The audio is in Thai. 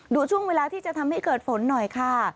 ดูช่วงเวลาที่จะทำให้เกิดฝนหน่อยค่ะ